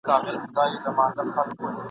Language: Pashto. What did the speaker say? که مي ازل ستا پر لمنه سجدې کښلي نه وې !.